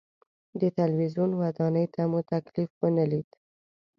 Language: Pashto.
د تلویزیون ودانۍ ته مو تکلیف ونه لید.